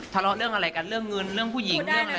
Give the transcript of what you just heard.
ทะเลาะเรื่องอะไรกันเรื่องเงินเรื่องผู้หญิงเรื่องอะไร